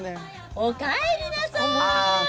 おかえりなさい。